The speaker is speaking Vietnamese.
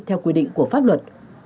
theo quy định của pháp luật